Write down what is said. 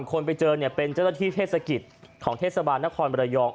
คนไปเจอเนี่ยเป็นเจ้าหน้าที่เทศกิจของเทศบาลนครบรยอง